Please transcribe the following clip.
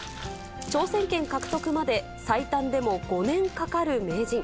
挑戦権獲得まで最短でも５年かかる名人。